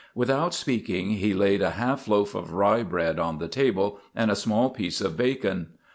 Without speaking he laid a half loaf of rye bread on the table and a small piece of bacon.